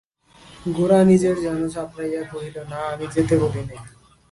গোরা নিজের জানু চাপড়াইয়া কহিল, না, আমি যেতে বলি নে।